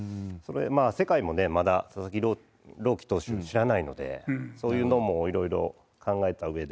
世界もね、まだ佐々木朗希投手を知らないので、そういうのもいろいろ考えたうえで。